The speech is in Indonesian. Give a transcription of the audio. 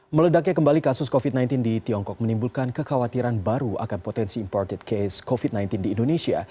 meledaknya kembali kasus covid sembilan belas di tiongkok menimbulkan kekhawatiran baru akan potensi imported case covid sembilan belas di indonesia